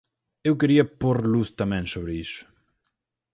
Eu quería pór luz tamén sobre iso.